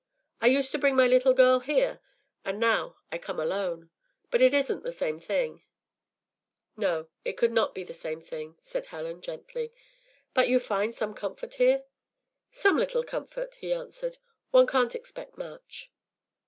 I used to bring my little girl here, and now I come alone. But it isn’t the same thing.” “No, it could not be the same thing,” said Helen, gently. “But you find some comfort here?” “Some little comfort,” he answered. “One can’t expect much.